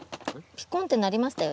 ピコンって鳴りましたよ